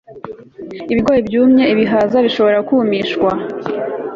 ibigori byumye Ibihaza bishobora kumishwa